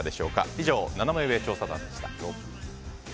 以上、ナナメ上調査団でした。